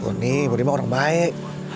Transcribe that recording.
murni murni mah orang baik